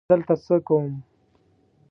زه دلته څه کوم؟